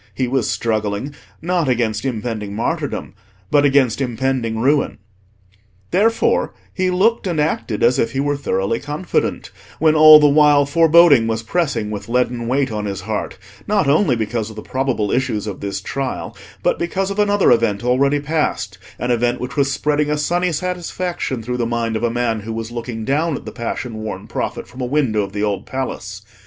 He was struggling not against impending martyrdom, but against impending ruin. Therefore he looked and acted as if he were thoroughly confident, when all the while foreboding was pressing with leaden weight on his heart, not only because of the probable issues of this trial, but because of another event already past—an event which was spreading a sunny satisfaction through the mind of a man who was looking down at the passion worn prophet from a window of the Old Palace.